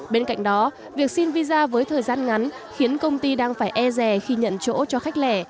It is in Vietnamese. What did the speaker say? bên cạnh đó việc xin visa với thời gian ngắn khiến công ty đang phải e rè khi nhận chỗ cho khách lẻ